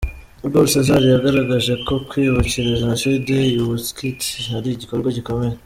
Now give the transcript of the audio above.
Igor César yagaragaje ko kwibukira Jenoside i Auschwitz ari igikorwa gikomeye.